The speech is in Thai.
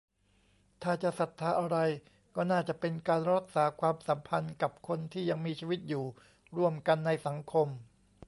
ถ้าจะศรัทธาอะไร ก็น่าจะเป็น การรักษาความสัมพันธ์กับคนที่ยังมีชีวิตอยู่ร่วมกันในสังคม